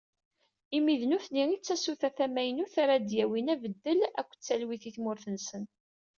Imi d nutni i tasuta tamaynut ara d-yawin abeddel akked talwit i tmurt-nsen.